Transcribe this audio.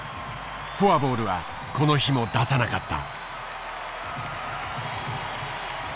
フォアボールはこの日も出さなかった。